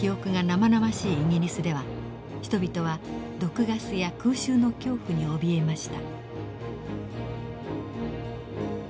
イギリスでは人々は毒ガスや空襲の恐怖におびえました。